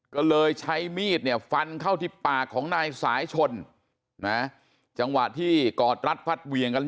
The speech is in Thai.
ก็เลยใช้มีดเนี่ยฟันเข้าที่ปากของนายสายชนนะจังหวะที่กอดรัดฟัดเวียงกัน